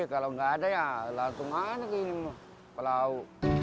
kalau nggak ada ya latungan lagi ini pelau